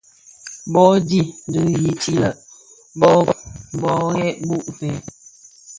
Bō dhi di yiti lè bō ghèbku fe?